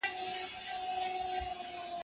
تاید شوي کلیپونه ماشینونو ته د پښتو ږغونه ورښيي.